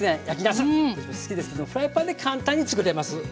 私も好きですけどフライパンで簡単に作れます。